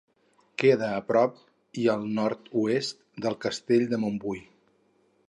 Queda a prop i al nord-oest del Castell de Montbui.